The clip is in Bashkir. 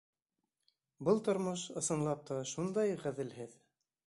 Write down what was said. Был тормош, ысынлап та, шундай ғәҙелһеҙ!